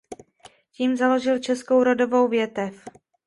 Tím založil českou rodovou větev.